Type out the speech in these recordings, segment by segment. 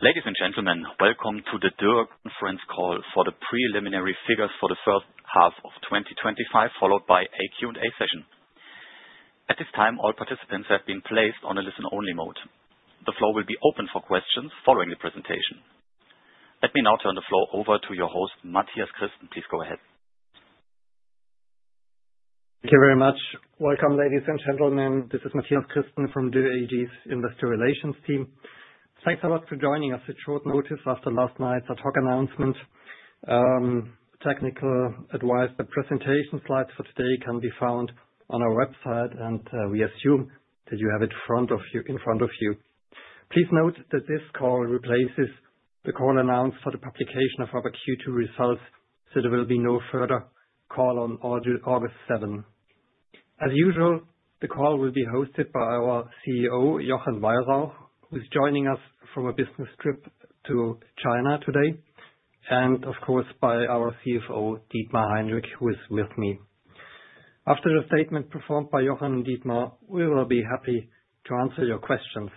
Ladies and gentlemen, welcome to the Dürr Conference Call for the preliminary figures for the first half of 2025, followed by a Q&A session. At this time, all participants have been placed on a listen-only mode. The floor will be open for questions following the presentation. Let me now turn the floor over to your host, Mathias Christen. Please go ahead. Thank you very much. Welcome, ladies and gentlemen. This is Mathias Christen from Dürr AG's Investor Relations team. Thanks a lot for joining us at short notice after last night's ad-hoc announcement. For technical advice, the presentation slides for today can be found on our website, and we assume that you have it in front of you. Please note that this call replaces the call announced for the publication of our Q2 results, so there will be no further call on August 7. As usual, the call will be hosted by our CEO, Jochen Weyrauch, who's joining us from a business trip to China today, and of course, by our CFO, Dietmar Heinrich, who is with me. After the statement performed by Jochen and Dietmar, we will be happy to answer your questions.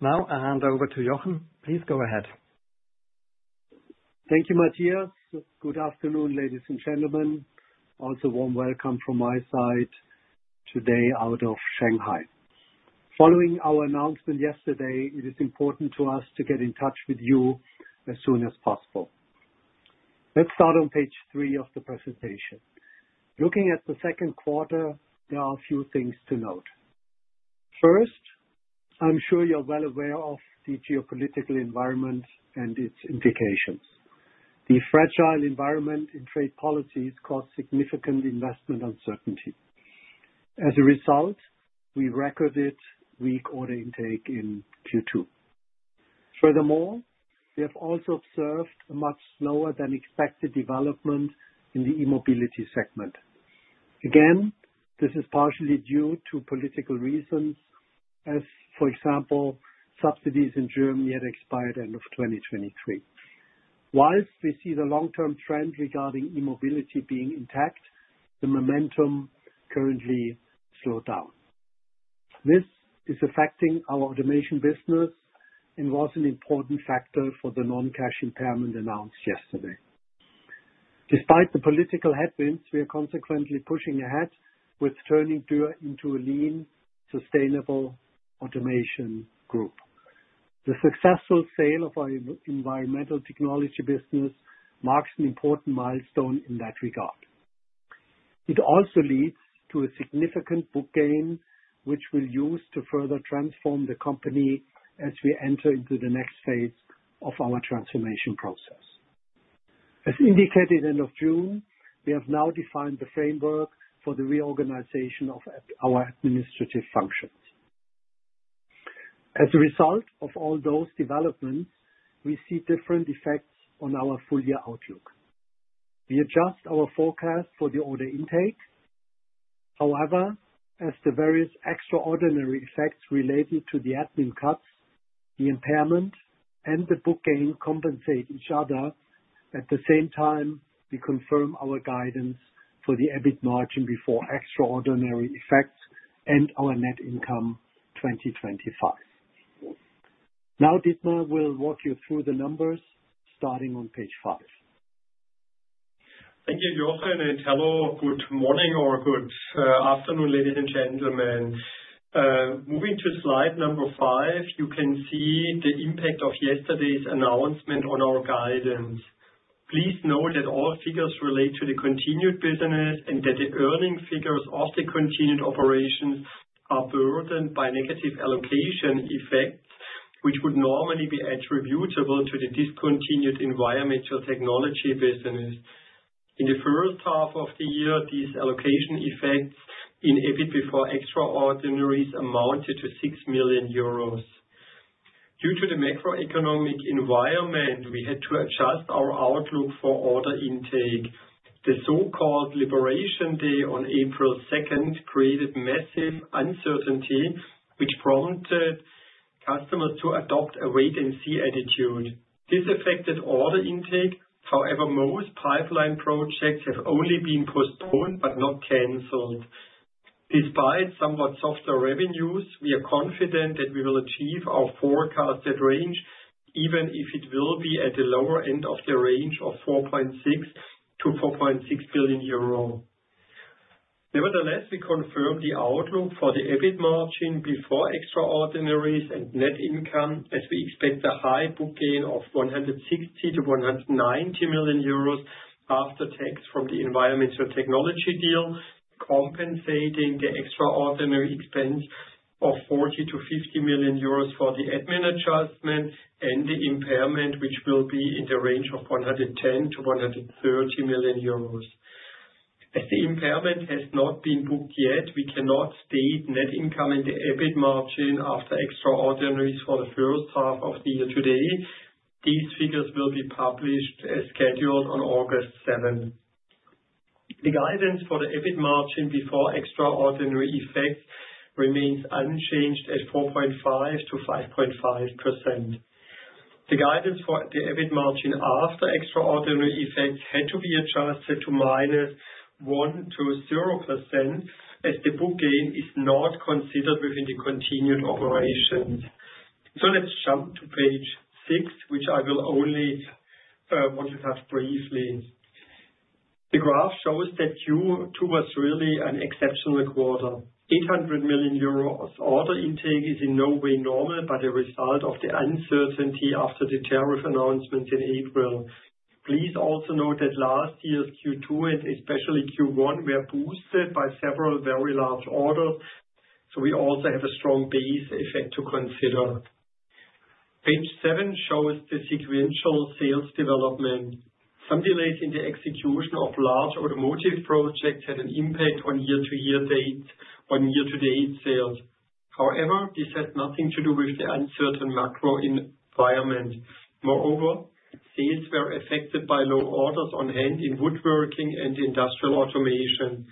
Now, I hand over to Jochen. Please go ahead. Thank you, Mathias. Good afternoon, ladies and gentlemen. Also a warm welcome from my side today out of Shanghai. Following our announcement yesterday, it is important to us to get in touch with you as soon as possible. Let's start on page three of the presentation. Looking at the second quarter, there are a few things to note. First, I'm sure you're well aware of the geopolitical environment and its implications. The fragile environment in trade policies caused significant investment uncertainty. As a result, we recorded weak order intake in Q2. Furthermore, we have also observed a much slower than expected development in the e-mobility segment. Again, this is partially due to political reasons, as for example, subsidies in Germany had expired at the end of 2023. Whilst we see the long-term trend regarding e-mobility being intact, the momentum currently slowed down. This is affecting our automation business and was an important factor for the non-cash impairment announced yesterday. Despite the political headwinds, we are consequently pushing ahead with turning Dürr into a lean Sustainable Automation Group. The successful sale of our environmental technology business marks an important milestone in that regard. It also leads to a significant book gain, which we'll use to further transform the company as we enter into the next phase of our transformation process. As indicated at the end of June, we have now defined the framework for the reorganization of our administrative functions. As a result of all those developments, we see different effects on our full-year outlook. We adjust our forecast for the order intake. However, as the various extraordinary effects related to the admin cuts, the impairment, and the book gain compensate each other, at the same time, we confirm our guidance for the EBIT margin before extraordinary effects and our net income 2025. Now, Dietmar will walk you through the numbers, starting on page five. Thank you, Jochen, and hello. Good morning or good afternoon, ladies and gentlemen. Moving to slide number five, you can see the impact of yesterday's announcement on our guidance. Please note that all figures relate to the continued business and that the earning figures of the continued operations are burdened by negative allocation effects, which would normally be attributable to the discontinued environmental technology business. In the first half of the year, these allocation effects in EBIT before extraordinaries amounted to 6 million euros. Due to the macroeconomic environment, we had to adjust our outlook for order intake. The so-called Liberation Day on April 2 created massive uncertainty, which prompted customers to adopt a wait-and-see attitude. This affected order intake. However, most pipeline projects have only been postponed but not canceled. Despite somewhat softer revenues, we are confident that we will achieve our forecasted range, even if it will be at the lower end of the range of 4.6 billion-4.6 billion euro. Nevertheless, we confirmed the outlook for the EBIT margin before extraordinaries and net income as we expect a high book gain of 160 million to 190 million euros after tax from the environmental technology deal, compensating the extraordinary expense of 40 million-50 million euros for the admin adjustment and the impairment, which will be in the range of 110 million-130 million euros. As the impairment has not been booked yet, we cannot state net income in the EBIT margin after extraordinaries for the first half of the year today. These figures will be published as scheduled on August 7. The guidance for the EBIT margin before extraordinary effects remains unchanged at 4.5% to 5.5%. The guidance for the EBIT margin after extraordinary effects had to be adjusted to -1% to 0% as the book gain is not considered within the continuing operations. Let's jump to page six, which I will only want to touch briefly. The graph shows that Q2 was really an exceptional quarter. 800 million euros of order intake is in no way normal but a result of the uncertainty after the tariff announcements in April. Please also note that last year's Q2, especially Q1, were boosted by several very large orders. We also have a strong base effect to consider. Page seven shows the sequential sales development. Some delays in the execution of large automotive projects had an impact on year-to-date sales. However, this had nothing to do with the uncertain macro environment. Moreover, sales were affected by low orders on hand in Woodworking and Industrial Automation.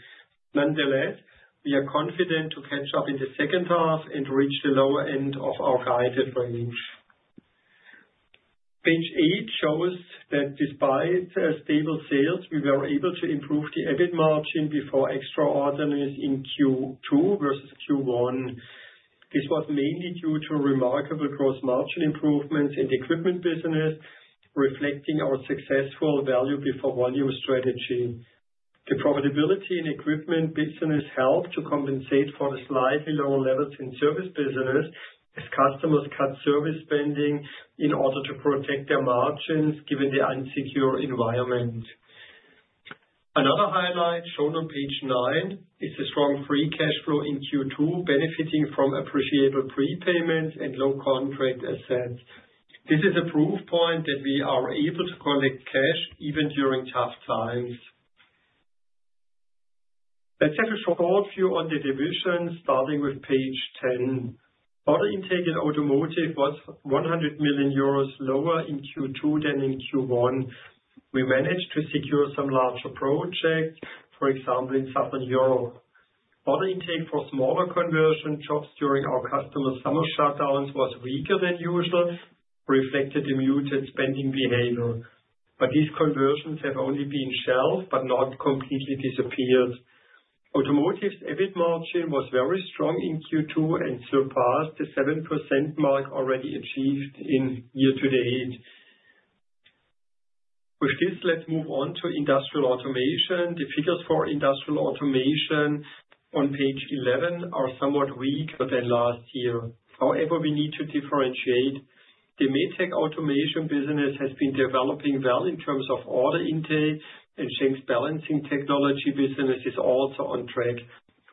Nonetheless, we are confident to catch up in the second half and reach the lower end of our guided range. Page eight shows that despite stable sales, we were able to improve the EBIT margin before extraordinaries in Q2 versus Q1. This was mainly due to remarkable gross margin improvements in the equipment business, reflecting our successful value before volume strategy. The profitability in the equipment business helped to compensate for the slightly lower levels in service business as customers cut service spending in order to protect their margins given the unsecure environment. Another highlight shown on page nine is the strong free cash flow in Q2, benefiting from appreciable prepayments and low contract assets. This is a proof point that we are able to collect cash even during tough times. Let's have a short overview on the division, starting with page ten. Order intake in automotive was 100 million euros lower in Q2 than in Q1. We managed to secure some larger projects, for example, in Southern Europe. Order intake for smaller conversion shops during our customer summer shutdowns was weaker than usual, reflected in muted spending behavior. These conversions have only been shelved but not completely disappeared. Automotive's EBIT margin was very strong in Q2 and surpassed the 7% mark already achieved in year to date. With this, let's move on to Industrial Automation. The figures for Industrial Automation on page 11 are somewhat weaker than last year. However, we need to differentiate. The medtech automation business has been developing well in terms of order intake, and Schenck's balancing technology business is also on track.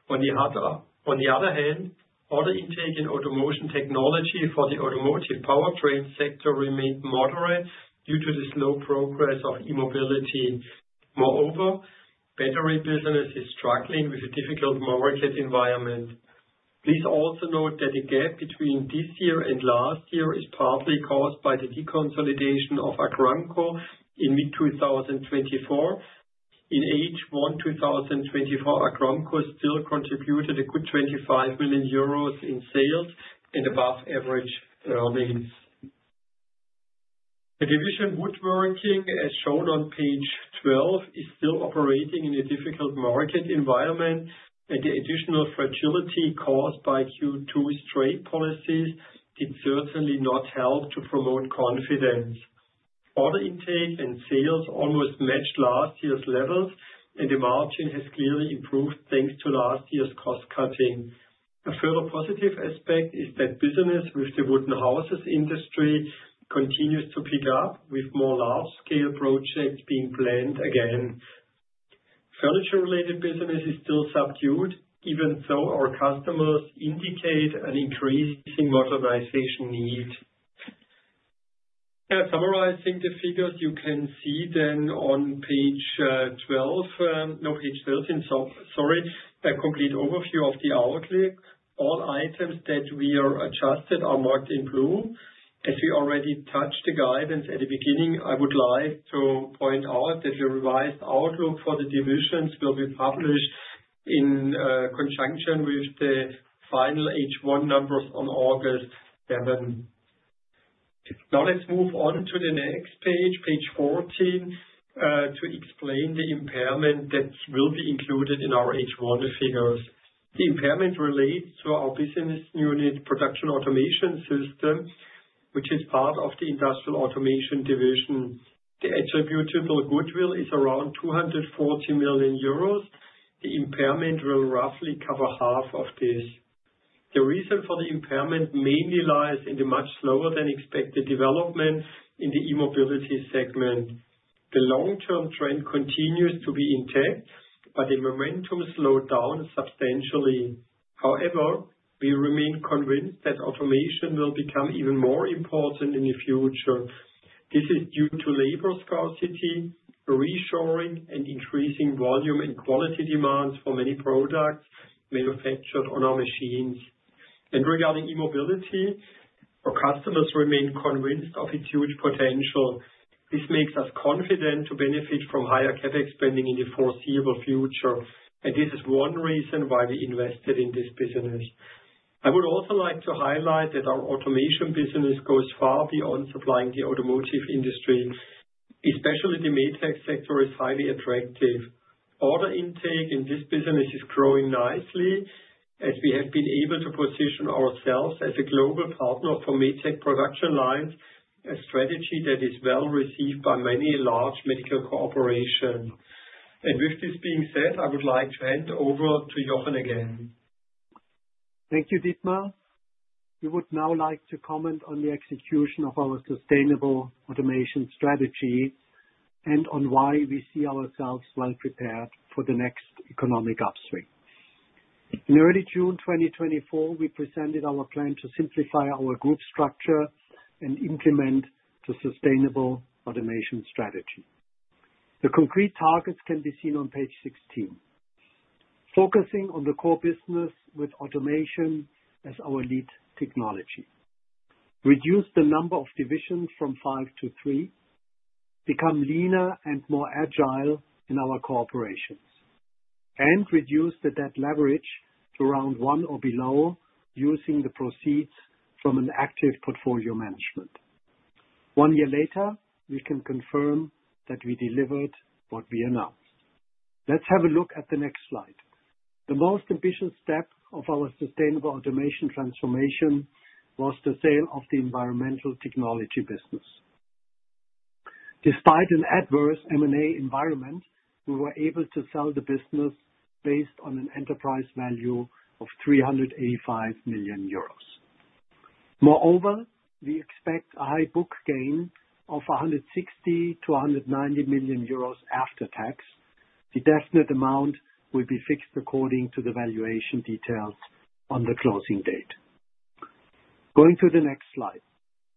On the other hand, order intake in automation technology for the Automotive powertrain sector remains moderate due to the slow progress of e-mobility. Moreover, the battery business is struggling with a difficult market environment. Please also note that the gap between this year and last year is partly caused by the deconsolidation of Agramkow in mid-2024. In H1 2024, Agramkow still contributed a good 25 million euros in sales and above average earnings. The division Woodworking, as shown on page 12, is still operating in a difficult market environment, and the additional fragility caused by Q2's trade policies did certainly not help to promote confidence. Order intake and sales almost matched last year's levels, and the margin has clearly improved thanks to last year's cost cutting. A further positive aspect is that business with the wooden houses industry continues to pick up, with more large-scale projects being planned again. Furniture-related business is still subdued, even though our customers indicate an increasing modernization need. Now, summarizing the figures, you can see then on page 12, no, page 13, sorry, a complete overview of the outlook. All items that we are adjusted are marked in blue. As we already touched the guidance at the beginning, I would like to point out that the revised outlook for the divisions will be published in conjunction with the final H1 numbers on August 7. Now, let's move on to the next page, page 14, to explain the impairment that will be included in our H1 figures. The impairment relates to our business unit Production Automation system, which is part of the Industrial Automation division. The attributable goodwill is around 240 million euros. The impairment will roughly cover half of this. The reason for the impairment mainly lies in the much slower than expected development in the e-mobility segment. The long-term trend continues to be intact, but the momentum slowed down substantially. However, we remain convinced that automation will become even more important in the future. This is due to labor scarcity, reshoring, and increasing volume and quality demands for many products manufactured on our machines. Regarding e-mobility, our customers remain convinced of its huge potential. This makes us confident to benefit from higher CapEx spending in the foreseeable future. This is one reason why we invested in this business. I would also like to highlight that our automation business goes far beyond supplying the automotive industry. Especially the medtech sector is highly attractive. Order intake in this business is growing nicely as we have been able to position ourselves as a global partner for medtech production lines, a strategy that is well received by many large medical corporations. With this being said, I would like to hand over to Jochen again. Thank you, Dietmar. We would now like to comment on the execution of our Sustainable Automation strategy and on why we see ourselves well prepared for the next economic upswing. In early June 2024, we presented our plan to simplify our Group structure and implement the Sustainable Automation strategy. The concrete targets can be seen on page 16, focusing on the core business with automation as our lead technology. Reduce the number of divisions from five to three, become leaner and more agile in our corporations, and reduce the debt leverage to around one or below using the proceeds from an active portfolio management. One year later, we can confirm that we delivered what we announced. Let's have a look at the next slide. The most ambitious step of our Sustainable Automation transformation was the sale of the environmental technology business. Despite an adverse M&A environment, we were able to sell the business based on an enterprise value of 385 million euros. Moreover, we expect a high book gain of 160 million to 190 million euros after tax. The definite amount will be fixed according to the valuation details on the closing date. Going to the next slide.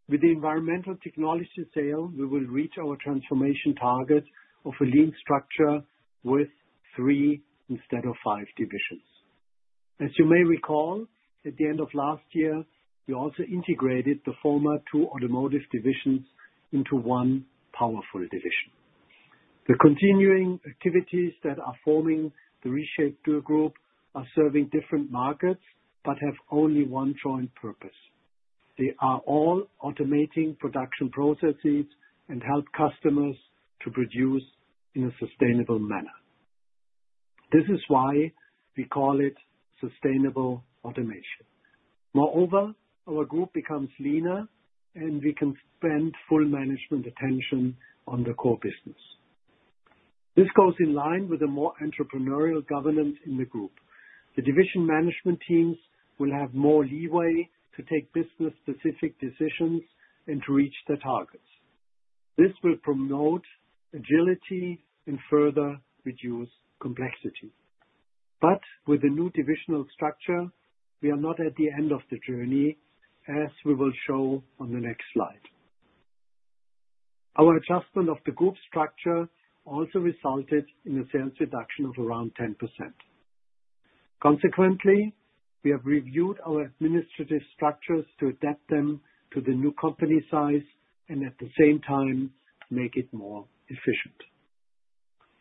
With the environmental technology sale, we will reach our transformation target of a lean structure with three instead of five divisions. As you may recall, at the end of last year, we also integrated the former two Automotive divisions into one powerful division. The continuing activities that are forming the reshaped Dürr Group are serving different markets but have only one joint purpose. They are all automating production processes and help customers to produce in a sustainable manner. This is why we call it Sustainable Automation. Moreover, our Group becomes leaner, and we can spend full management attention on the core business. This goes in line with a more entrepreneurial governance in the Group. The division management teams will have more leeway to take business-specific decisions and to reach their targets. This will promote agility and further reduce complexity. With the new divisional structure, we are not at the end of the journey, as we will show on the next slide. Our adjustment of the Group structure also resulted in a sales reduction of around 10%. Consequently, we have reviewed our administrative structures to adapt them to the new company size and at the same time make it more efficient.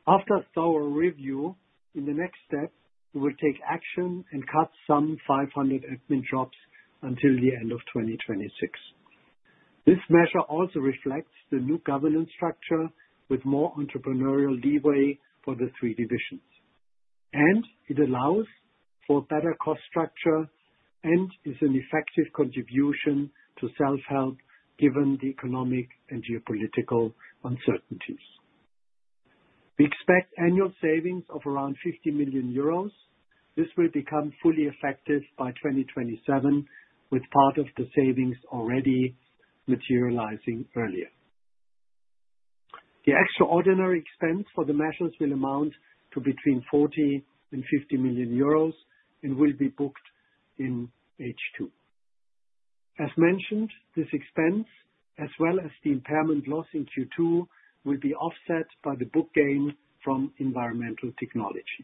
After a thorough review, in the next steps, we will take action and cut some 500 admin jobs until the end of 2026. This measure also reflects the new governance structure with more entrepreneurial leeway for the three divisions. It allows for a better cost structure and is an effective contribution to self-help given the economic and geopolitical uncertainties. We expect annual savings of around 50 million euros. This will become fully effective by 2027 with part of the savings already materializing earlier. The extraordinary expense for the measures will amount to between 40 million and 50 million euros and will be booked in H2. As mentioned, this expense, as well as the impairment loss in Q2, will be offset by the book gain from environmental technology.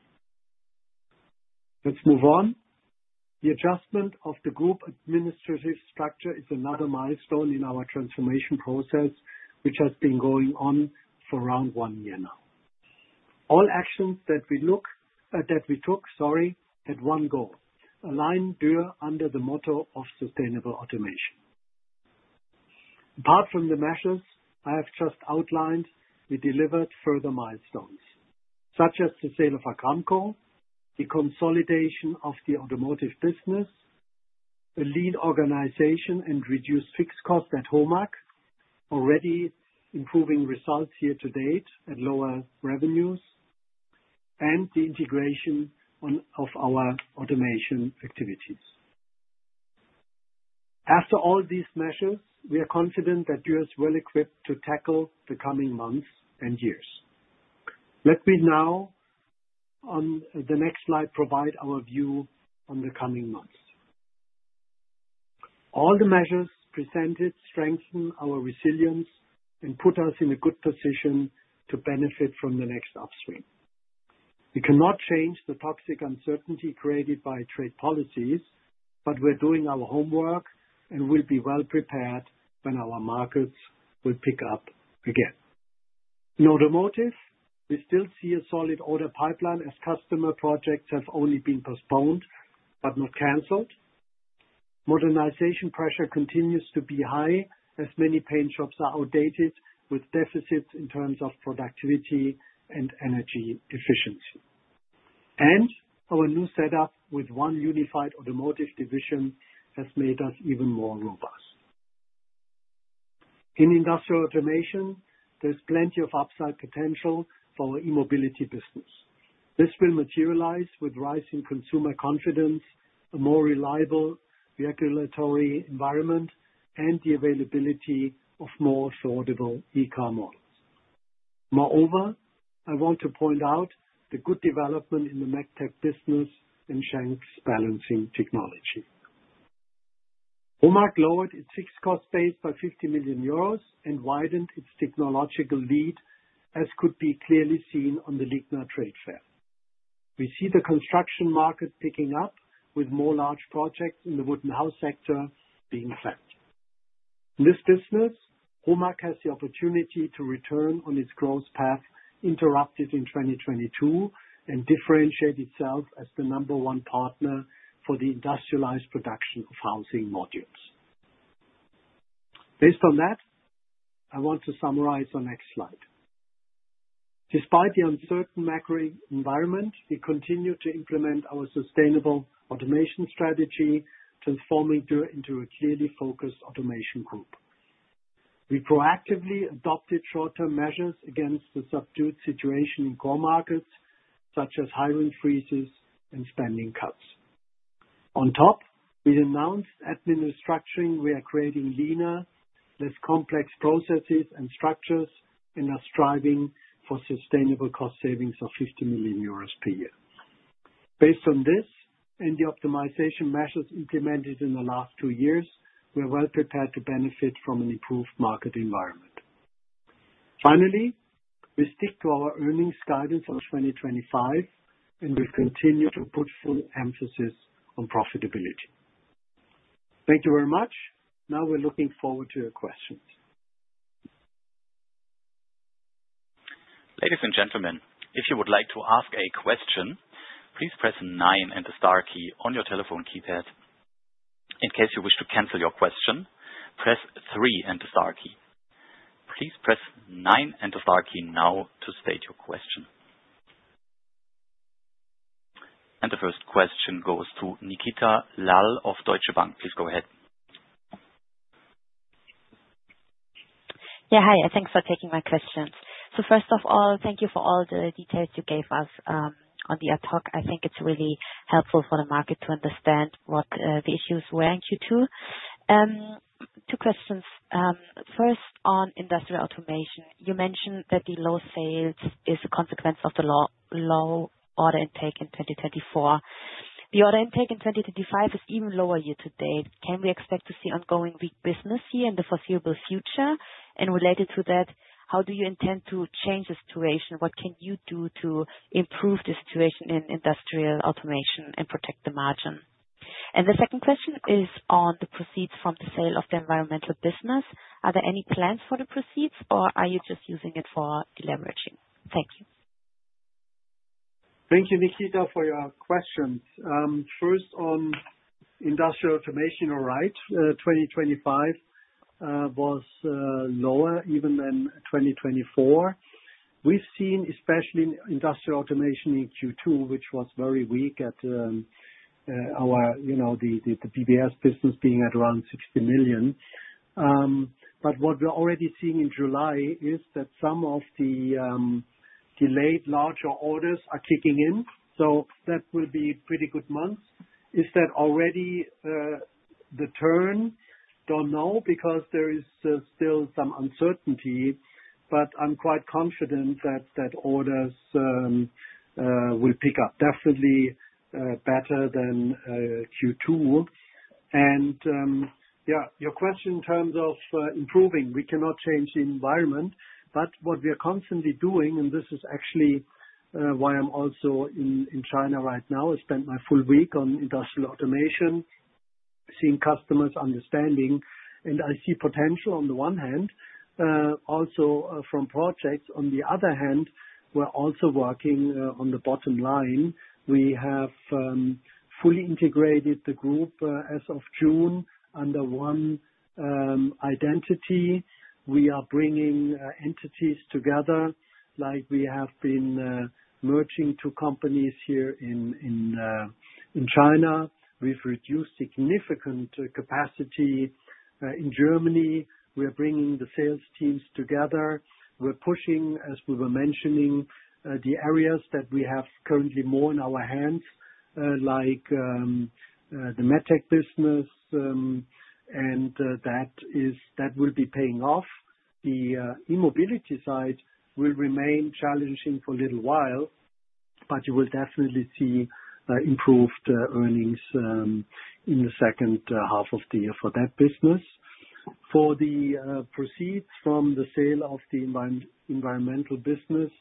Let's move on. The adjustment of the Group administrative structure is another milestone in our transformation process, which has been going on for around one year now. All actions that we look at, that we took, had one goal: align Dürr under the motto of Sustainable Automation. Apart from the measures I have just outlined, we delivered further milestones, such as the sale of Agramkow, the consolidation of the automotive business, a lean organization, and reduced fixed costs at HOMAG, already improving results year to date at lower revenues, and the integration of our automation activities. After all these measures, we are confident that Dürr is well equipped to tackle the coming months and years. Let me now, on the next slide, provide our view on the coming months. All the measures presented strengthen our resilience and put us in a good position to benefit from the next upswing. We cannot change the toxic uncertainty created by trade policies, but we're doing our homework and will be well prepared when our markets will pick up again. In automotive, we still see a solid order pipeline as customer projects have only been postponed but not canceled. Modernization pressure continues to be high as many paint jobs are outdated with deficits in terms of productivity and energy efficiency. Our new setup with one unified automotive division has made us even more robust. In Industrial Automation, there's plenty of upside potential for our e-mobility business. This will materialize with rising consumer confidence, a more reliable regulatory environment, and the availability of more affordable e-car models. Moreover, I want to point out the good development in the medtech business and Schenck balancing technology. HOMAG lowered its fixed cost base by 50 million euros and widened its technological lead, as could be clearly seen on the LIGNA trade fair. We see the construction market picking up with more large projects in the wooden house sector being fed. In this business, HOMAG has the opportunity to return on its growth path interrupted in 2022 and differentiate itself as the number one partner for the industrialized production of housing modules. Based on that, I want to summarize our next slide. Despite the uncertain macro environment, we continue to implement our Sustainable Automation strategy, transforming Dürr into a clearly focused Automation Group. We proactively adopted short-term measures against the subdued situation in core markets, such as hiring freezes and spending cuts. On top, we announced admin restructuring. We are creating leaner, less complex processes and structures and are striving for sustainable cost savings of 50 million euros per year. Based on this and the optimization measures implemented in the last two years, we're well prepared to benefit from an improved market environment. Finally, we stick to our earnings guidance on 2025, and we continue to put full emphasis on profitability. Thank you very much. Now we're looking forward to your questions. Ladies and gentlemen, if you would like to ask a question, please press nine and the star key on your telephone keypad. In case you wish to cancel your question, press three and the star key. Please press nine and the star key now to state your question. The first question goes to Nikita Lal of Deutsche Bank. Please go ahead. Yeah, hi. Thanks for taking my questions. First of all, thank you for all the details you gave us on the ad-hoc. I think it's really helpful for the market to understand what the issues were in Q2. Two questions. First, on Industrial Automation, you mentioned that the low sales is a consequence of the low order intake in 2024. The order intake in 2025 is even lower year to date. Can we expect to see ongoing weak business here in the foreseeable future? Related to that, how do you intend to change the situation? What can you do to improve the situation in Industrial Automation and protect the margin? The second question is on the proceeds from the sale of the environmental technology business. Are there any plans for the proceeds, or are you just using it for deleveraging? Thank you. Thank you, Nikita, for your questions. First, on Industrial Automation, you're right. 2025 was lower even than 2024. We've seen, especially Industrial Automation in Q2, which was very weak at our, you know, the BBS Automation business being at around 60 million. What we're already seeing in July is that some of the delayed larger orders are kicking in. That will be a pretty good month. Is that already the turn? Don't know because there is still some uncertainty, but I'm quite confident that orders will pick up, definitely better than Q2. Your question in terms of improving, we cannot change the environment. What we are constantly doing, and this is actually why I'm also in China right now, I spent my full week on Industrial Automation, seeing customers, understanding, and I see potential on the one hand, also from projects. On the other hand, we're also working on the bottom line. We have fully integrated the group as of June under one identity. We are bringing entities together, like we have been merging two companies here in China. We've reduced significant capacity in Germany. We are bringing the sales teams together. We're pushing, as we were mentioning, the areas that we have currently more in our hands, like the medtech business, and that will be paying off. The e-mobility side will remain challenging for a little while, but you will definitely see improved earnings in the second half of the year for that business. For the proceeds from the sale of the environmental technology business,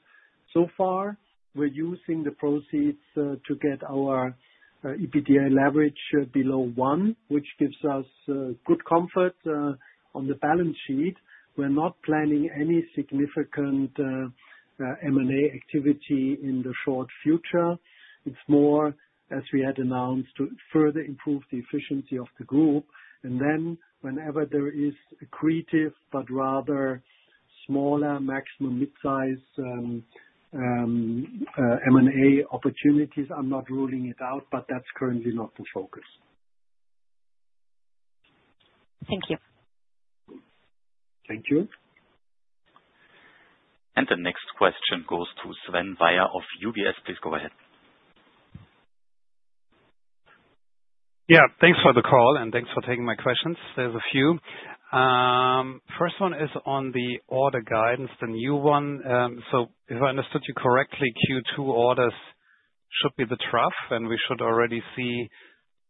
so far, we're using the proceeds to get our EBITDA leverage below 1, which gives us good comfort on the balance sheet. We're not planning any significant M&A activity in the short future. It's more, as we had announced, to further improve the efficiency of the Group. Whenever there is a creative but rather smaller, maximum mid-size M&A opportunities, I'm not ruling it out, but that's currently not the focus. Thank you. Thank you. The next question goes to Sven Weier of UBS. Please go ahead. Thanks for the call and thanks for taking my questions. There's a few. The first one is on the order guidance, the new one. If I understood you correctly, Q2 orders should be the trough, and we should already see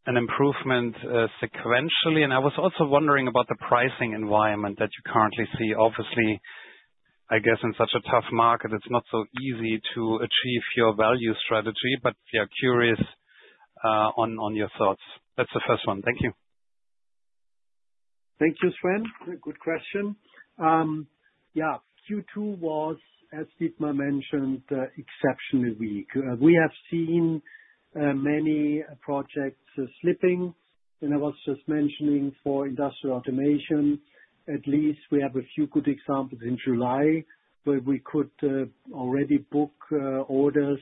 an improvement sequentially. I was also wondering about the pricing environment that you currently see. Obviously, I guess in such a tough market, it's not so easy to achieve your value strategy, but curious on your thoughts. That's the first one. Thank you. Thank you, Sven. Good question. Q2 was, as Dietmar mentioned, exceptionally weak. We have seen many projects slipping. I was just mentioning for Industrial Automation, at least we have a few good examples in July where we could already book orders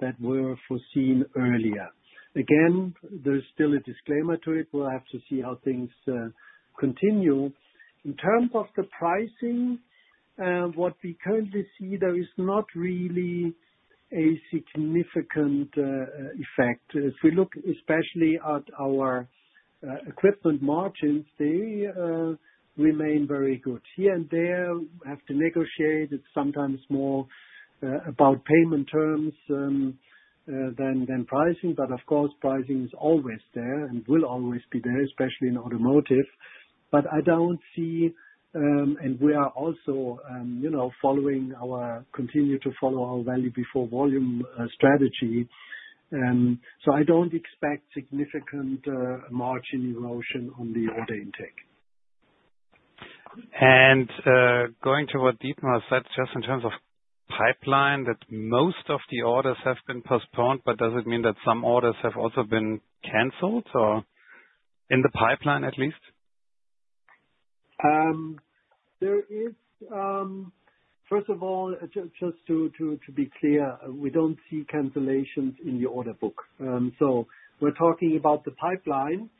that were foreseen earlier. There is still a disclaimer to it. We'll have to see how things continue. In terms of the pricing, what we currently see, there is not really a significant effect. If we look especially at our equipment margins, they remain very good. Here and there, we have to negotiate. It's sometimes more about payment terms than pricing. Of course, pricing is always there and will always be there, especially in automotive. I don't see, and we are also, you know, continuing to follow our value before volume strategy. I don't expect significant margin erosion on the order intake. Going to what Dietmar said, just in terms of pipeline, that most of the orders have been postponed, does it mean that some orders have also been canceled or in the pipeline at least? First of all, just to be clear, we don't see cancellations in the order book. We're talking about the pipeline.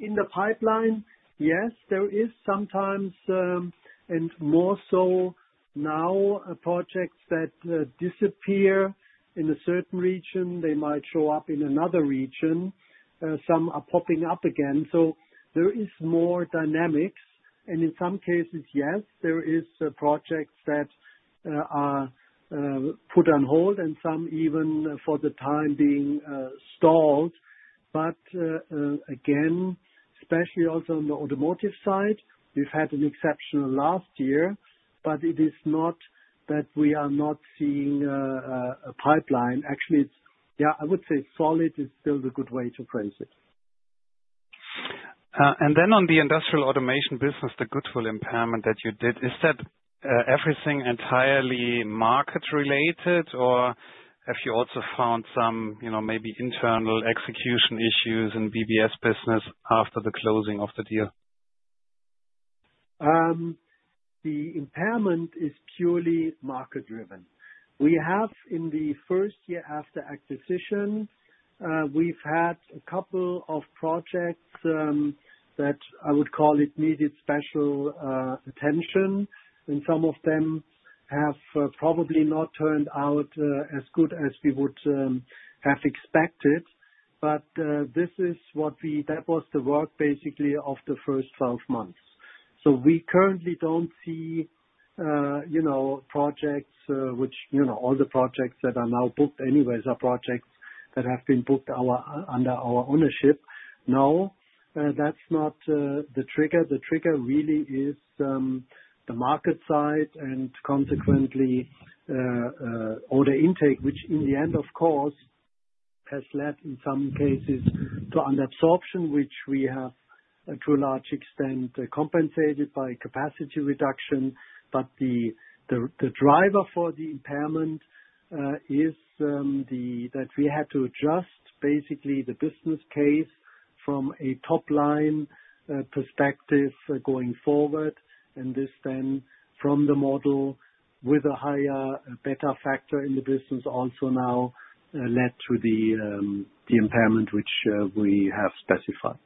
In the pipeline, yes, there is sometimes, and more so now, projects that disappear in a certain region. They might show up in another region. Some are popping up again. There is more dynamics. In some cases, yes, there are projects that are put on hold and some even for the time being stalled. Again, especially also on the automotive side, we've had an exception last year, but it is not that we are not seeing a pipeline. Actually, it's, yeah, I would say solid is still a good way to phrase it. On the Industrial Automation business, the goodwill impairment that you did, is that everything entirely market-related, or have you also found some, you know, maybe internal execution issues in BBS business after the closing of the deal? The impairment is purely market-driven. In the first year after acquisition, we've had a couple of projects that I would call needed special attention, and some of them have probably not turned out as good as we would have expected. That was the work basically of the first 12 months. We currently don't see projects which, you know, all the projects that are now booked anyways are projects that have been booked under our ownership. That's not the trigger. The trigger really is the market side and consequently order intake, which in the end, of course, has led in some cases to under-absorption, which we have to a large extent compensated by capacity reduction. The driver for the impairment is that we had to adjust basically the business case from a top-line perspective going forward. This then from the model with a higher beta factor in the business also now led to the impairment which we have specified.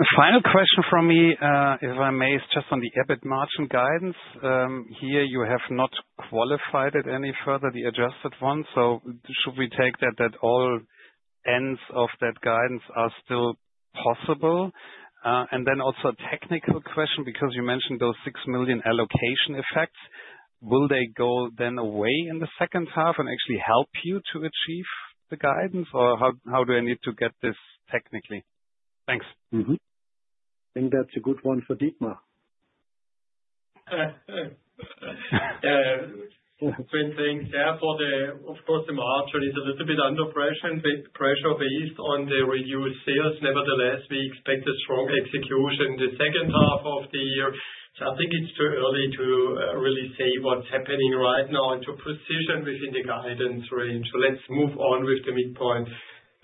A final question from me, if I may, is just on the adjusted EBIT margin guidance. Here, you have not qualified it any further. Should we take that all ends of that guidance are still possible? Also, a technical question because you mentioned those 6 million allocation effects. Will they go away in the second half and actually help you to achieve the guidance, or how do I need to get this technically? Thanks. I think that's a good one for Dietmar. Yeah. Thanks. Yeah. The margin is a little bit under pressure based on the reduced sales. Nevertheless, we expect a strong execution in the second half of the year. I think it's too early to really say what's happening right now and to position within the guidance range. Let's move on with the midpoint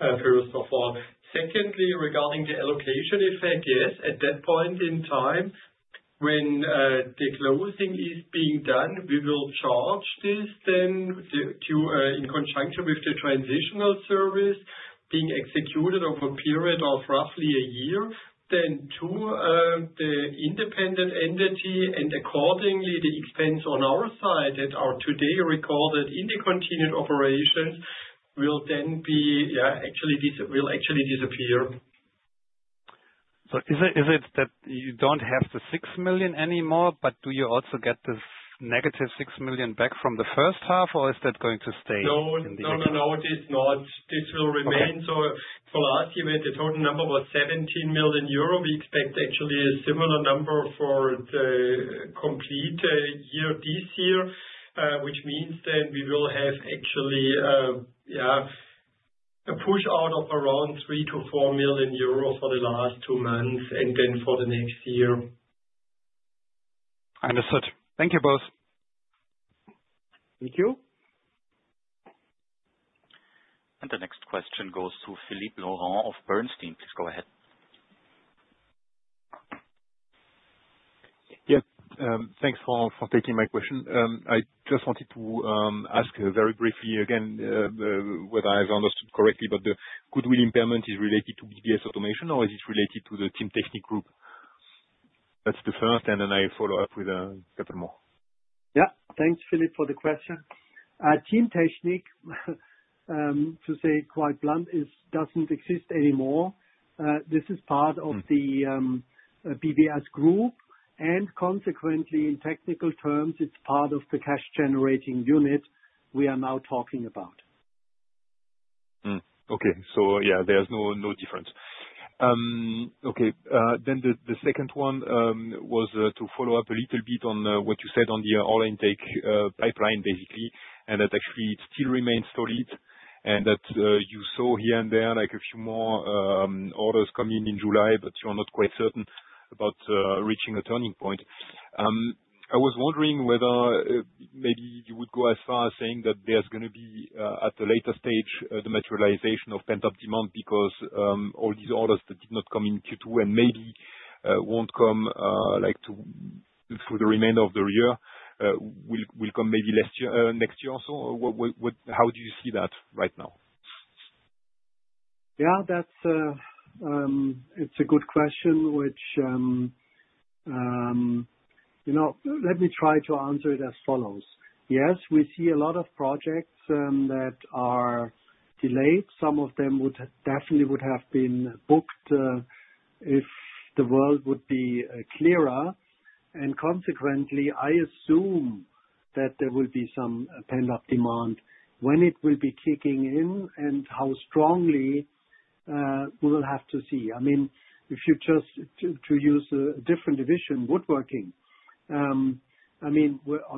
first of all. Regarding the allocation effect, yes, at that point in time, when the closing is being done, we will charge this then to, in conjunction with the transitional service being executed over a period of roughly a year, then to the independent entity. Accordingly, the expense on our side that are today recorded in the continuing operations will then be, yeah, actually this will actually disappear. Is it that you don't have the 6 million anymore, but do you also get this -6 million back from the first half, or is that going to stay in the? No, it is not. This will remain. For last year, the total number was 17 million euro. We expect actually a similar number for the complete year this year, which means we will have a push out of around 3 million-4 million euro for the last two months and then for next year. Understood. Thank you both. Thank you. The next question goes to Philippe Lorrian of Bernstein. Please go ahead. Thanks for taking my question. I just wanted to ask very briefly again whether I've understood correctly, but the goodwill impairment is related to BBS Automation, or is it related to the Teamtechnik Group? That's the first, and then I follow up with a couple more. Yeah. Thanks, Philippe, for the question. Teamtechnik, to say quite blunt, doesn't exist anymore. This is part of the BBS Group, and consequently, in technical terms, it's part of the cash-generating unit we are now talking about. Okay. There is no difference. The second one was to follow up a little bit on what you said on the order intake pipeline, basically, and that actually it still remains solid. You saw here and there a few more orders coming in in July, but you're not quite certain about reaching a turning point. I was wondering whether maybe you would go as far as saying that there is going to be, at a later stage, the materialization of pent-up demand because all these orders that did not come in Q2 and maybe will not come through the remainder of the year will come maybe next year or so. How do you see that right now? Yeah, that's a good question, which, you know, let me try to answer it as follows. Yes, we see a lot of projects that are delayed. Some of them definitely would have been booked if the world would be clearer. Consequently, I assume that there will be some pent-up demand. When it will be kicking in and how strongly, we will have to see. I mean, if you just to use a different division, Woodworking. We're on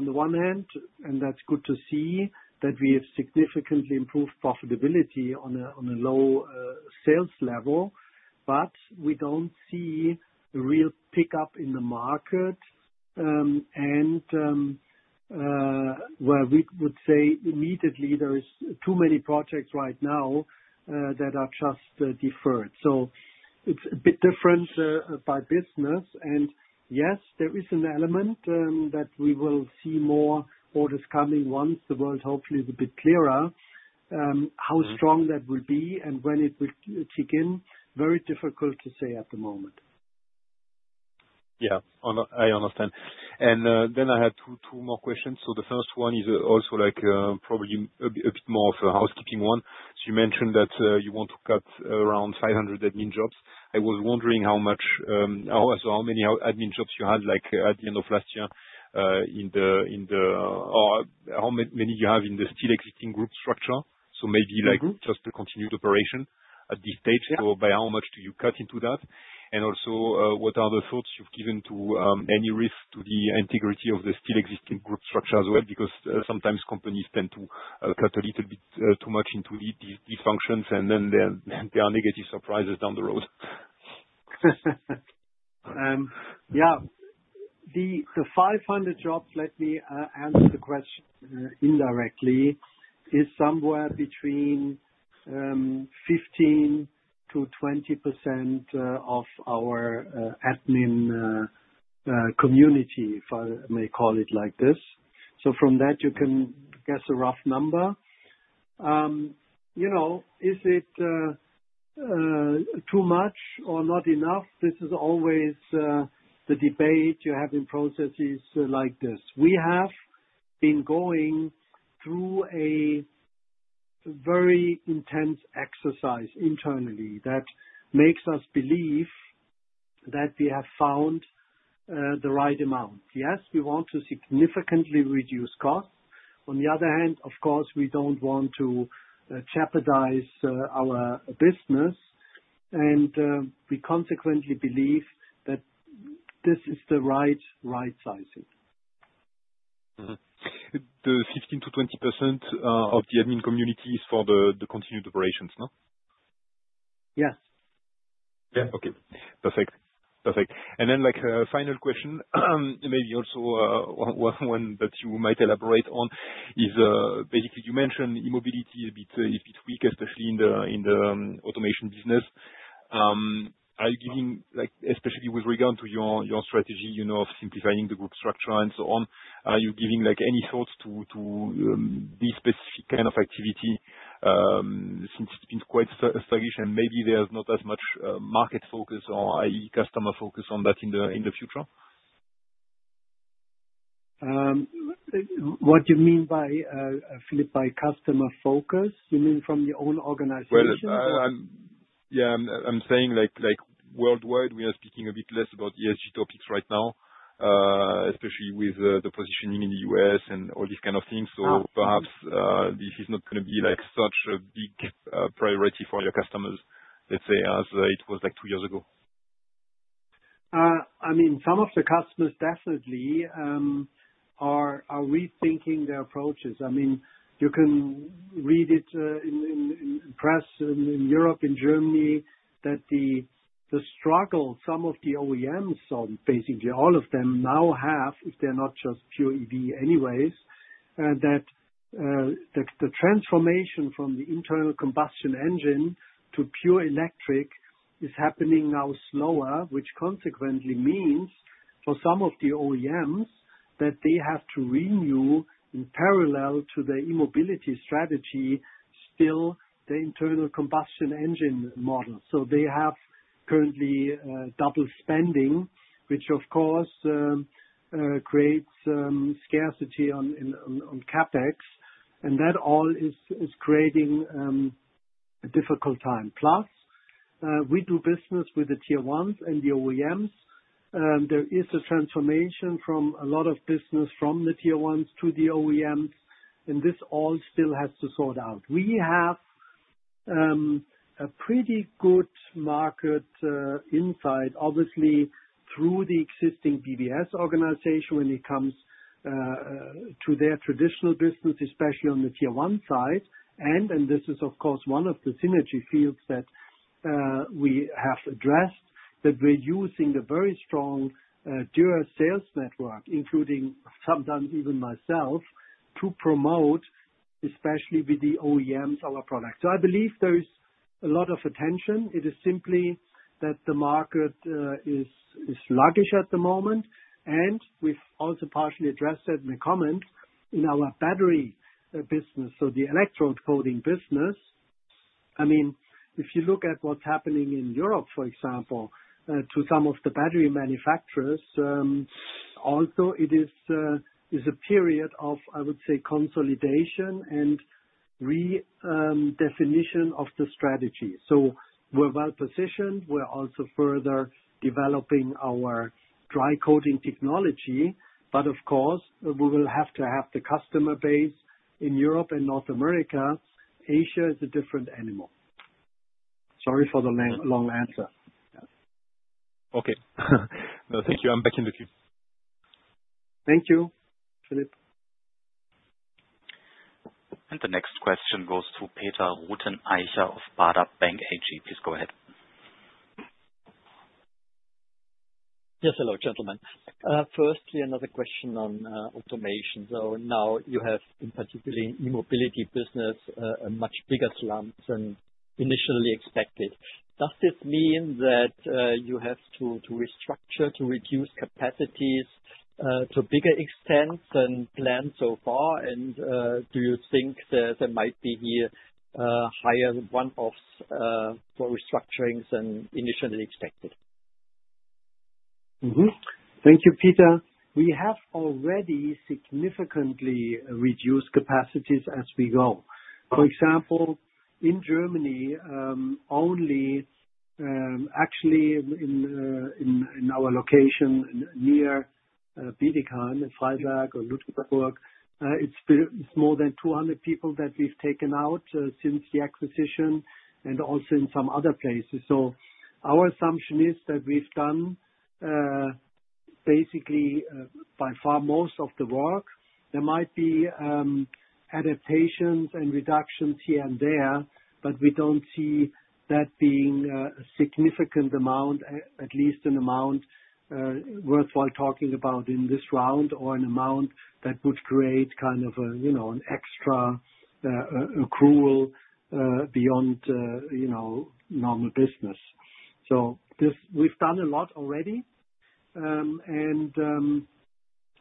the one end, and that's good to see that we have significantly improved profitability on a low sales level, but we don't see a real pickup in the market, where we would say immediately there are too many projects right now that are just deferred. It's a bit different by business. Yes, there is an element that we will see more orders coming once the world hopefully is a bit clearer. How strong that will be and when it will kick in, very difficult to say at the moment. Yeah, I understand. I had two more questions. The first one is also probably a bit more of a housekeeping one. You mentioned that you want to cut around 500 admin jobs. I was wondering how many admin jobs you had at the end of last year, or how many do you have in the still existing Group structure. Maybe just the continued operation at this stage. By how much do you cut into that? What are the thoughts you've given to any risk to the integrity of the still existing Group structure as well? Sometimes companies tend to cut a little bit too much into these functions, and then there are negative surprises down the road. Yeah. The 500 jobs, let me answer the question indirectly, is somewhere between 15%-20% of our admin community, if I may call it like this. From that, you can guess a rough number. You know, is it too much or not enough? This is always the debate you have in processes like this. We have been going through a very intense exercise internally that makes us believe that we have found the right amount. Yes, we want to significantly reduce costs. On the other hand, of course, we don't want to jeopardize our business. We consequently believe that this is the right right sizing. The 15%-20% of the admin community is for the continued operations, no? Yes. Okay. Perfect. Perfect. Then a final question, maybe also one that you might elaborate on, is basically you mentioned e-mobility is a bit weak, especially in the automation business. Are you giving, especially with regard to your strategy of simplifying the Group structure and so on, any thoughts to this specific kind of activity since it's been quite sluggish and maybe there's not as much market focus or, i.e., customer focus on that in the future? What do you mean by, Philippe, by customer focus? You mean from your own organization? I'm saying like worldwide, we are speaking a bit less about ESG topics right now, especially with the positioning in the U.S. and all these kind of things. Perhaps this is not going to be such a big priority for your customers, let's say, as it was like two years ago. I mean, some of the customers definitely are rethinking their approaches. You can read it in the press in Europe, in Germany, that the struggle some of the OEMs, basically all of them now have, if they're not just pure EV anyways, and that the transformation from the internal combustion engine to pure electric is happening now slower, which consequently means for some of the OEMs that they have to renew in parallel to the e-mobility strategy still the internal combustion engine model. They have currently double spending, which of course creates scarcity on CapEx. That all is creating a difficult time. Plus, we do business with the tier ones and the OEMs. There is a transformation from a lot of business from the tier ones to the OEMs, and this all still has to sort out. We have a pretty good market insight, obviously, through the existing BBS organization when it comes to their traditional business, especially on the tier one side. This is, of course, one of the synergy fields that we have addressed, that we're using a very strong Dürr sales network, including sometimes even myself, to promote, especially with the OEMs, our product. I believe there's a lot of attention. It is simply that the market is sluggish at the moment. We've also partially addressed it in the comments in our battery business. The Electrode Coating business, if you look at what's happening in Europe, for example, to some of the battery manufacturers, also, it is a period of, I would say, consolidation and redefinition of the strategy. We're well positioned. We're also further developing our dry coating technology. Of course, we will have to have the customer base in Europe and North America. Asia is a different animal. Sorry for the long answer. Okay, no, thank you. I'm back in the queue. Thank you, Philippe. The next question goes to Peter Rothenaicher of Baader Bank AG. Please go ahead. Yes. Hello, gentlemen. Firstly, another question on automation. Now you have, in particular, in the e-mobility business, a much bigger slump than initially expected. Does this mean that you have to restructure, to reduce capacities to a bigger extent than planned so far? Do you think there might be a higher one-offs for restructuring than initially expected? Thank you, Peter. We have already significantly reduced capacities as we go. For example, in Germany, actually only in our location near Bietigheim in Freiberg or Luxembourg, it's more than 200 people that we've taken out since the acquisition and also in some other places. Our assumption is that we've done basically by far most of the work. There might be adaptations and reductions here and there, but we don't see that being a significant amount, at least an amount worthwhile talking about in this round or an amount that would create kind of an extra accrual beyond normal business. We've done a lot already and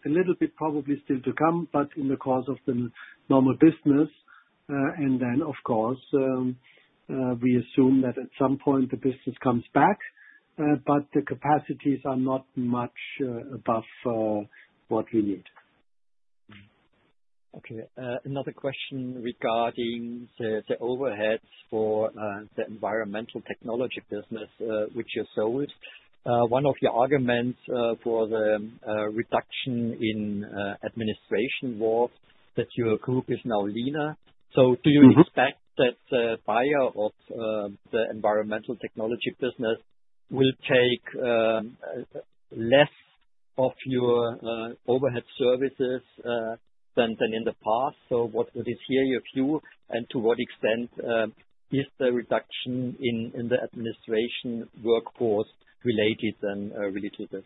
a little bit probably still to come, but in the course of the normal business. Of course, we assume that at some point the business comes back, but the capacities are not much above for what we need. Okay. Another question regarding the overheads for the environmental technology business, which you sold. One of your arguments for the reduction in administration was that your Group is now leaner. Do you expect that the environmental technology business will take less of your overhead services than in the past? What is your view here, and to what extent is the reduction in the administration workforce related to this?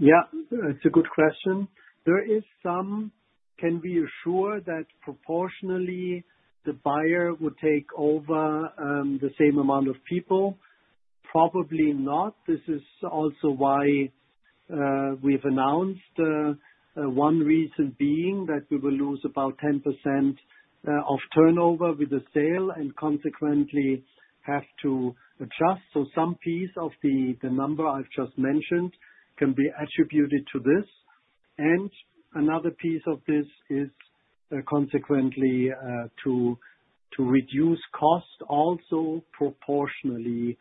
Yeah. It's a good question. There is some. Can we assure that proportionally the buyer would take over the same amount of people? Probably not. This is also why we've announced one reason being that we will lose about 10% of turnover with the sale and consequently have to adjust. Some piece of the number I've just mentioned can be attributed to this. Another piece of this is consequently to reduce cost also proportionally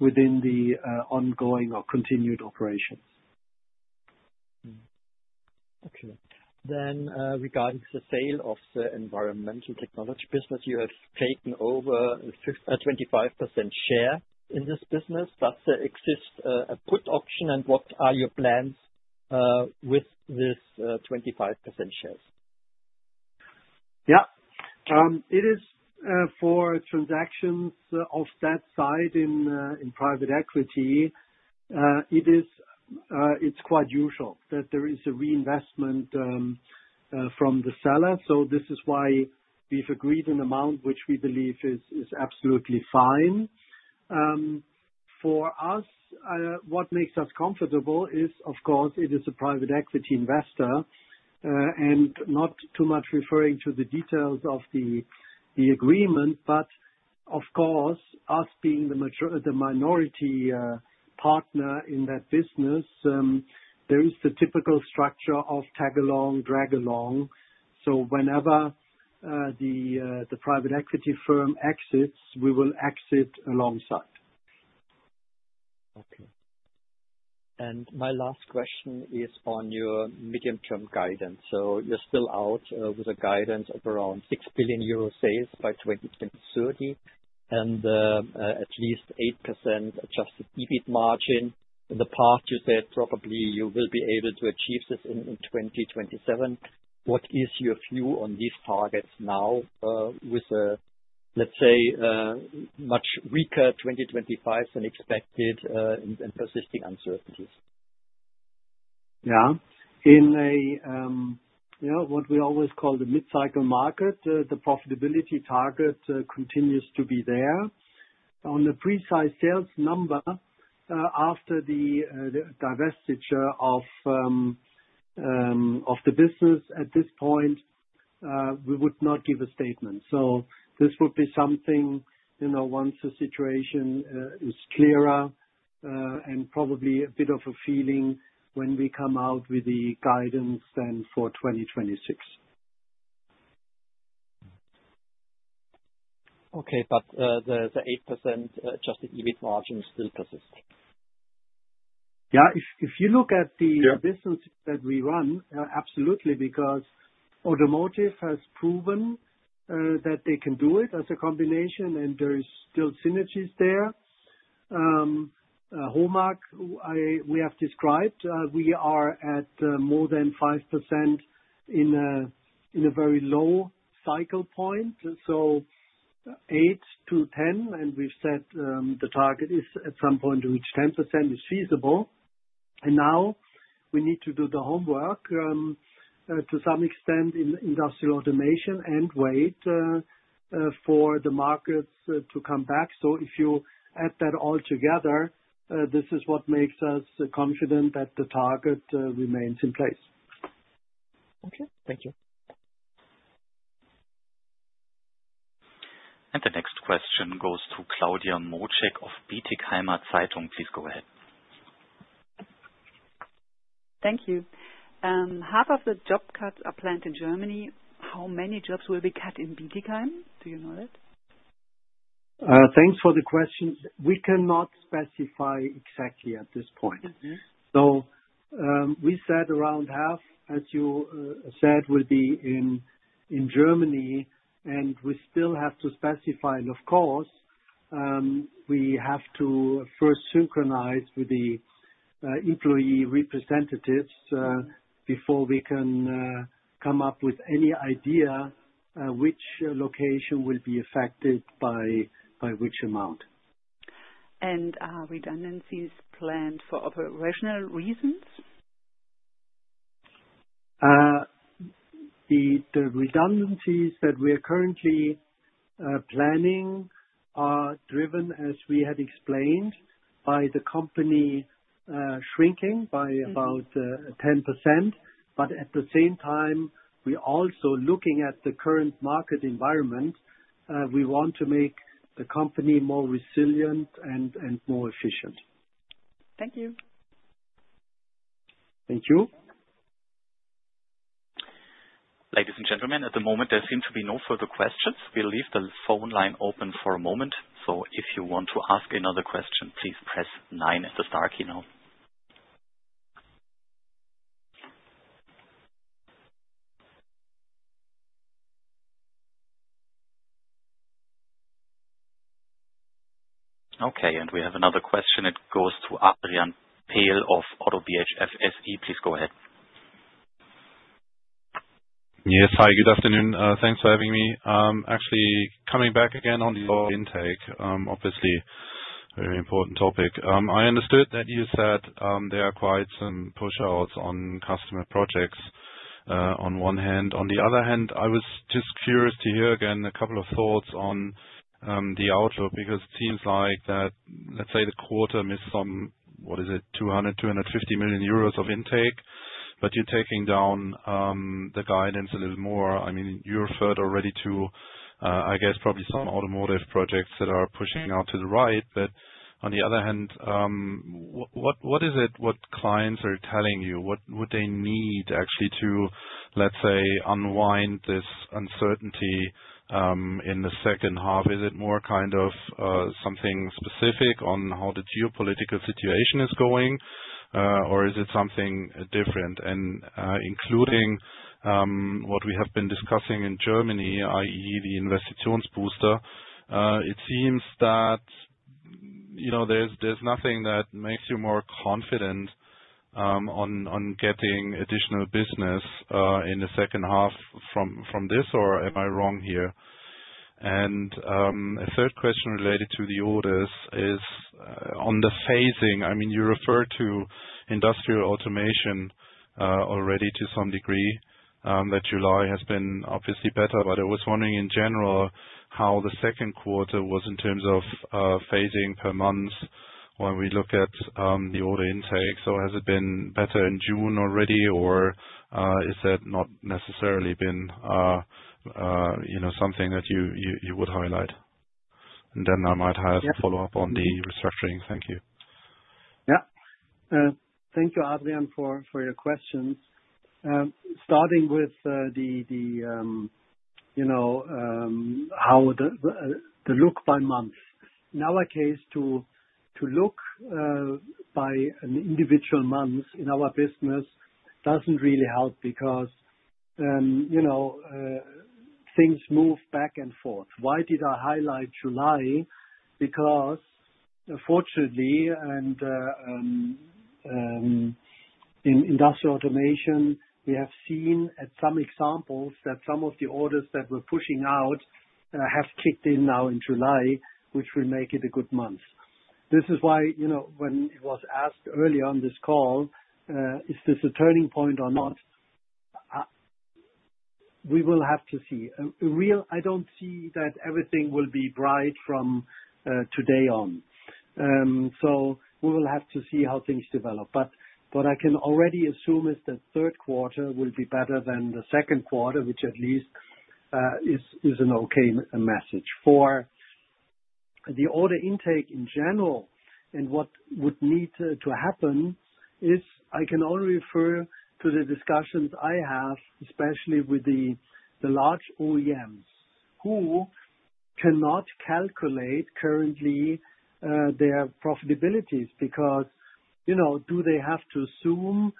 within the ongoing or continued operations. Excellent. Regarding the sale of the environmental technology business, you have taken over a 25% share in this business. Does there exist a put option, and what are your plans with this 25% share? Yeah, it is for transactions of that side in private equity. It's quite usual that there is a reinvestment from the seller. This is why we've agreed an amount which we believe is absolutely fine. For us, what makes us comfortable is, of course, it is a private equity investor. Not too much referring to the details of the agreement, but of course, us being the minority partner in that business, there is the typical structure of tag along, drag along. Whenever the private equity firm exits, we will exit alongside. Okay. My last question is on your medium-term guidance. You're still out with a guidance of around 6 billion euro sales by 2030 and at least 8% adjusted EBIT margin. In the past, you probably will be able to achieve this in 2027. What is your view on these targets now with a, let's say, much weaker 2025 than expected and persisting uncertainties? In what we always call the mid-cycle market, the profitability target continues to be there. On the pre-size sales number, after the divestiture of the business, at this point, we would not give a statement. This would be something, you know, once the situation is clearer and probably a bit of a feeling when we come out with the guidance then for 2026. Okay. The 8% adjusted EBIT margin still persists? Yeah. If you look at the business that we run, absolutely, because automotive has proven that they can do it as a combination, and there are still synergies there. HOMAG, we have described, we are at more than 5% in a very low-cycle-point. 8%-10%, and we've said the target is at some point to reach 10% is feasible. Now we need to do the homework to some extent in Industrial Automation and wait for the markets to come back. If you add that all together, this is what makes us confident that the target remains in place. Okay, thank you. The next question goes to Claudia Mocek of Bietigheimer Zeitung. Please go ahead. Thank you. Half of the job cuts are planned in Germany. How many jobs will be cut in Bietigheim? Do you know that? Thanks for the question. We cannot specify exactly at this point. We said around half, as you said, will be in Germany, and we still have to specify. Of course, we have to first synchronize with the employee representatives before we can come up with any idea which location will be affected by which amount. Are redundancies planned for operational reasons? The redundancies that we are currently planning are driven, as we had explained, by the company shrinking by about 10%. At the same time, we're also looking at the current market environment. We want to make the company more resilient and more efficient. Thank you. Thank you. Ladies and gentlemen, at the moment, there seems to be no further questions. We'll leave the phone line open for a moment. If you want to ask another question, please press nine and the star key now. Okay. We have another question. It goes to Adrian Pehl of ODDO BHF SE. Please go ahead. Yes. Hi. Good afternoon. Thanks for having me. Actually, coming back again on the intake. Obviously, a very important topic. I understood that you said there are quite some push-outs on customer projects on one hand. On the other hand, I was just curious to hear again a couple of thoughts on the outlook because it seems like that, let's say, the quarter missed some, what is it, 200 million, 250 million euros of intake, but you're taking down the guidance a little more. I mean, you referred already to, I guess, probably some automotive projects that are pushing out to the right. What is it, what clients are telling you? What would they need actually to, let's say, unwind this uncertainty in the second half? Is it more kind of something specific on how the geopolitical situation is going, or is it something different? Including what we have been discussing in Germany, i.e., the Investitions Booster, it seems that there's nothing that makes you more confident on getting additional business in the second half from this, or am I wrong here? A third question related to the orders is on the phasing. I mean, you referred to Industrial Automation already to some degree. That July has been obviously better, but I was wondering in general how the second quarter was in terms of phasing per month when we look at the order intake. Has it been better in June already, or has it not necessarily been something that you would highlight? I might have a follow-up on the restructuring. Thank you. Thank you, Adrian, for your questions. Starting with the look by month. In our case, to look by an individual month in our business doesn't really help because things move back and forth. Why did I highlight July? Because, fortunately, and in Industrial Automation, we have seen at some examples that some of the orders that were pushing out have kicked in now in July, which will make it a good month. This is why, you know, when it was asked earlier on this call, is this a turning point or not? We will have to see. I don't see that everything will be bright from today on. We will have to see how things develop. What I can already assume is that third quarter will be better than the second quarter, which at least is an okay message. For the order intake in general, and what would need to happen is I can only refer to the discussions I have, especially with the large OEM who cannot calculate currently their profitabilities because, you know, do they have to assume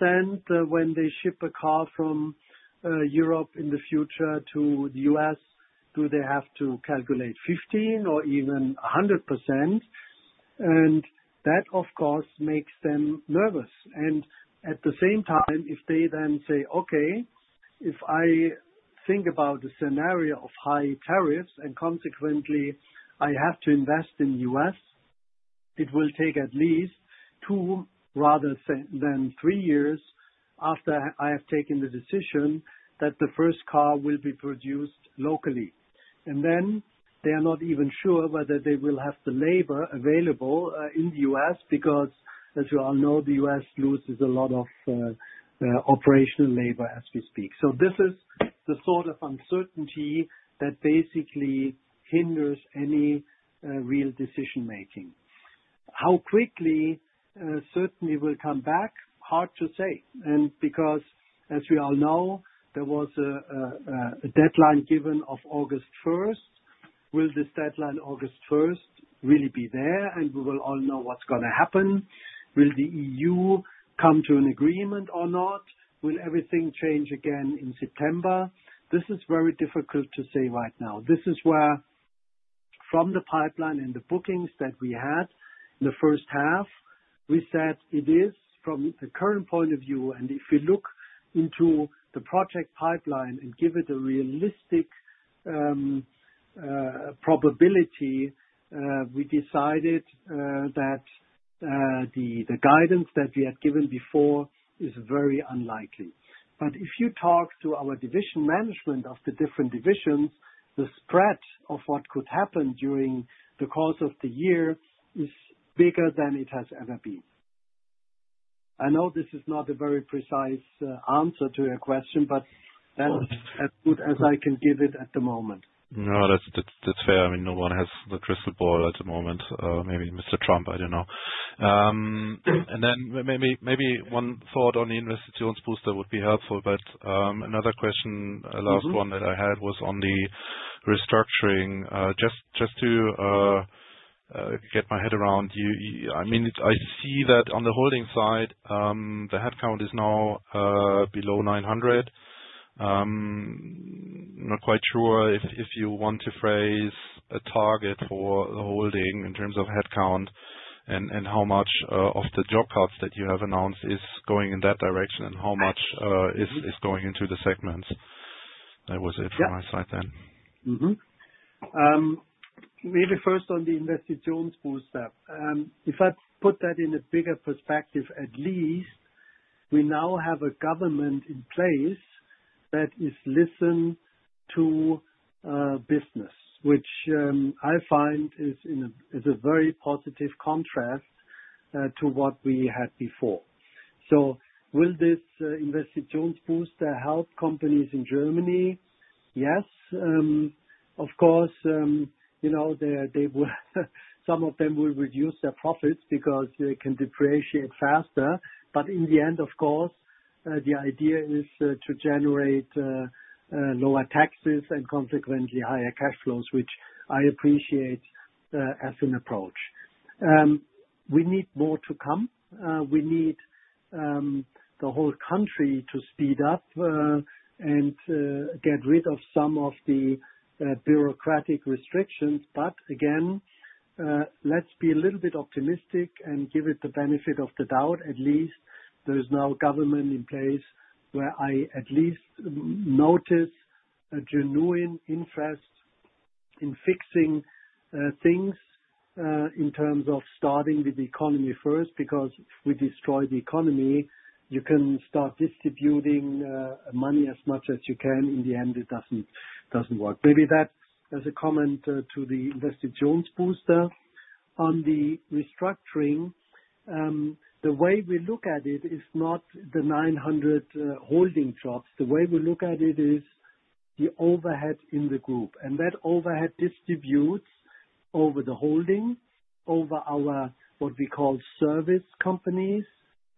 50% when they ship a car from Europe in the future to the U.S.? Do they have to calculate 15% or even 100%? That, of course, makes them nervous. At the same time, if they then say, "Okay, if I think about the scenario of high tariffs and consequently I have to invest in the U.S., it will take at least two rather than three years after I have taken the decision that the first car will be produced locally." They are not even sure whether they will have the labor available in the U.S. because, as you all know, the U.S. loses a lot of operational labor as we speak. This is the sort of uncertainty that basically hinders any real decision-making. How quickly it will come back, hard to say. As we all know, there was a deadline given of August 1. Will this deadline August 1 really be there and we will all know what's going to happen? Will the EU come to an agreement or not? Will everything change again in September? This is very difficult to say right now. From the pipeline and the bookings that we had in the first half, we said it is from the current point of view. If you look into the project pipeline and give it a realistic probability, we decided that the guidance that we had given before is very unlikely. If you talk to our division management of the different divisions, the spread of what could happen during the course of the year is bigger than it has ever been. I know this is not a very precise answer to your question, but that's as good as I can give it at the moment. No, that's fair. I mean, no one has the crystal ball at the moment. Maybe Mr. Trump, I don't know. Maybe one thought on the Investitions Booster would be helpful. Another question, the last one that I had was on the restructuring. Just to get my head around, I see that on the holding side, the headcount is now below 900. I'm not quite sure if you want to phrase a target for the holding in terms of headcount and how much of the job cuts that you have announced is going in that direction and how much is going into the segments. That was it from my side then. Maybe first on the Investitions Booster. If I put that in a bigger perspective, at least we now have a government in place that is listening to business, which I find is a very positive contrast to what we had before. Will this Investitions Booster help companies in Germany? Yes. Of course, you know, some of them will reduce their profits because they can depreciate faster. In the end, the idea is to generate lower taxes and consequently higher cash flows, which I appreciate as an approach. We need more to come. We need the whole country to speed up and get rid of some of the bureaucratic restrictions. Let's be a little bit optimistic and give it the benefit of the doubt. At least there's now a government in place where I at least notice a genuine interest in fixing things in terms of starting with the economy first because if we destroy the economy, you can start distributing money as much as you can. In the end, it doesn't work. Maybe that as a comment to the Investitions Booster. On the restructuring, the way we look at it is not the 900 holding jobs. The way we look at it is the overhead in the Group. That overhead distributes over the holding, over our what we call service companies,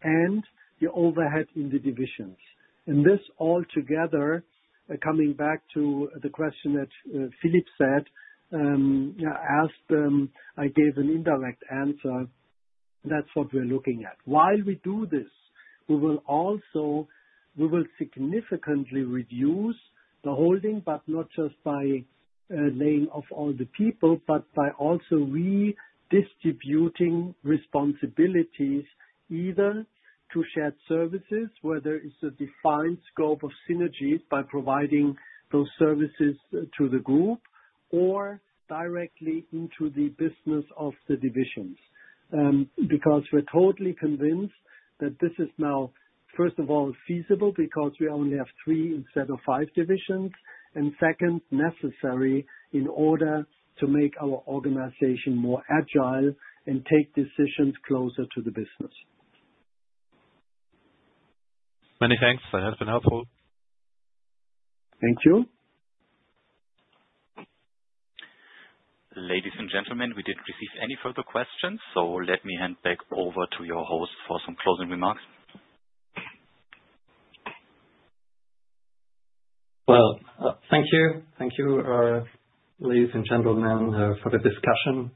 and the overhead in the divisions. This all together, coming back to the question that Philippe said, I asked them, I gave an indirect answer. That's what we're looking at. While we do this, we will also significantly reduce the holding, not just by laying off all the people, but by also redistributing responsibilities either to shared services, whether it's a defined scope of synergies by providing those services to the Group, or directly into the business of the divisions. We're totally convinced that this is now, first of all, feasible because we only have three instead of five divisions. Second, necessary in order to make our organization more agile and take decisions closer to the business. Many thanks. That has been helpful. Thank you. Ladies and gentlemen, we didn't receive any further questions, so let me hand back over to your host for some closing remarks. Thank you, ladies and gentlemen, for the discussion.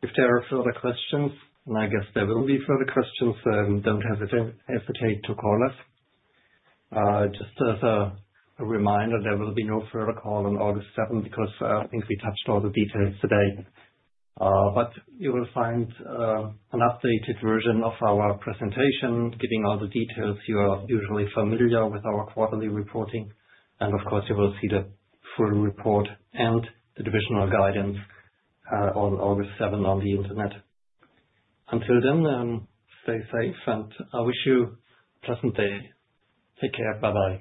If there are further questions, and I guess there will be further questions, don't hesitate to call us. Just as a reminder, there will be no further call on August 7 because I think we touched all the details today. You will find an updated version of our presentation giving all the details you are usually familiar with in our quarterly reporting. Of course, you will see the full report and the divisional guidance on August 7 on the Internet. Until then, stay safe, and I wish you a pleasant day. Take care. Bye-bye.